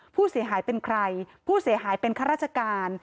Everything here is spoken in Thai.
ผู้เสียหายเป็นใครผู้เสียหายเป็นข้าราชการ